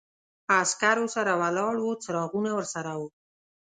عسکرو سره ولاړ و، څراغونه ورسره و.